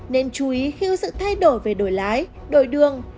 nên chú ý khi sự thay đổi về đổi lái đổi đường